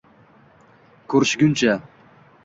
Ко’rishguncha!